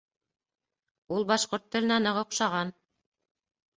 Ул башҡорт теленә ныҡ оҡшаған.